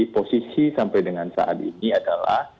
posisi sampai dengan saat ini adalah